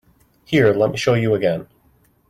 Here, let me show you again.